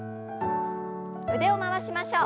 腕を回しましょう。